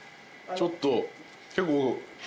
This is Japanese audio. ちょっと結構。